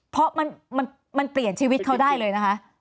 เพราะมันเปลี่ยนชีวิตเขาได้เลยนะคะ